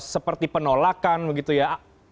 seperti penolakan begitu ya